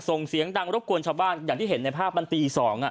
ส่งเสียงดังรบกวนชาวบ้านอย่างที่เห็นในภาพมันตี๒